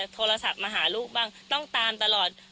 โทรศัพท์มาหาลูกบ้างต้องตามตลอด